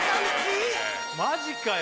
マジかよ